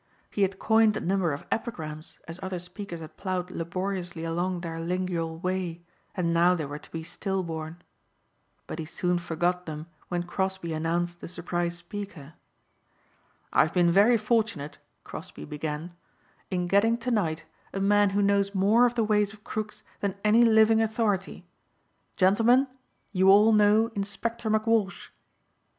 He had coined a number of epigrams as other speakers had plowed laboriously along their lingual way and now they were to be still born. But he soon forgot them when Crosbeigh announced the surprise speaker. "I have been very fortunate," Crosbeigh began, "in getting to night a man who knows more of the ways of crooks than any living authority. Gentlemen, you all know Inspector McWalsh!"